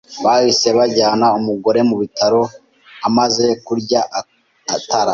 Bahise bajyana umugore mu bitaro amaze kurya itara.